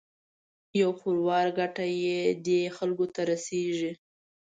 یو خروار ګټه یې دې خلکو ته رسېږي.